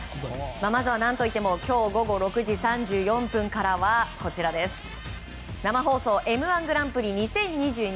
まずは何といっても今日午後６時３４分からは生放送「Ｍ‐１グランプリ２０２２」。